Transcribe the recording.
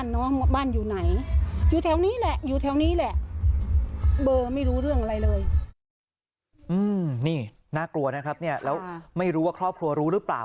นี่น่ากลัวนะครับเนี่ยแล้วไม่รู้ว่าครอบครัวรู้หรือเปล่า